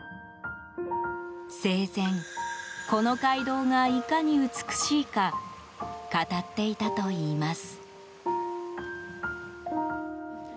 生前、この街道がいかに美しいか語っていたといいます。